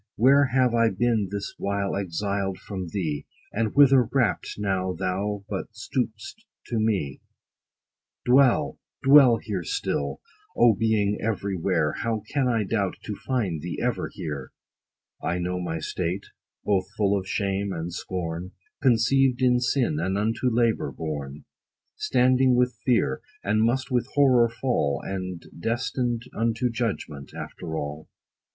Where have I been this while exiled from thee, And whither rapt, now thou but stoop'st to me ? Dwell, dwell here still ! O, being every where, How can I doubt to find thee ever here ? I know my state, both full of shame and scorn, Conceived in sin, and unto labor born, Standing with fear, and must with horror fall, And destined unto judgment, after all.